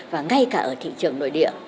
và ngay cả ở thị trường nội địa